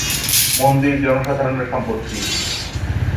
মন্দির জনসাধারণের সম্পত্তি।